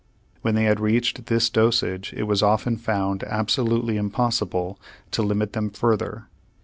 When they had reached this dosage it was often found absolutely impossible to limit them further.